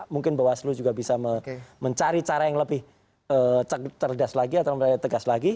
mungkin bawaslu juga bisa mencari cara yang lebih cerdas lagi atau tegas lagi